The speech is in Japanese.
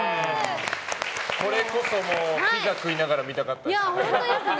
これこそピザ食いながら見たかったですね。